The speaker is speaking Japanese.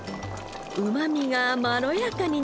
うまみがまろやかになります。